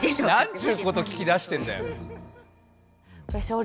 何ちゅうこと聞き出してんだよ。